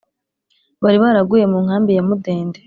bari baraguye munkambi ya mudende